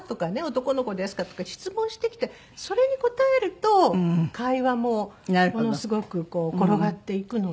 「男の子ですか？」とか質問してきてそれに答えると会話もものすごく転がっていくので。